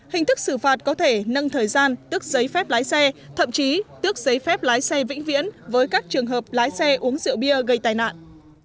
hình thức xử phạt có thể nâng thời gian tức giấy phép lái xe thậm chí tước giấy phép lái xe vĩnh viễn với các trường hợp lái xe uống rượu bia gây tai nạn